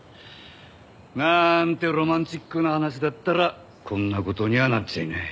なーんてロマンチックな話だったらこんな事にはなっちゃいない。